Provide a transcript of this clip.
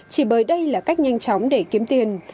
chỉ bởi đây là cách nhanh chóng để kiếm tiền